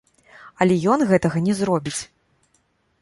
Але ён гэтага не зробіць.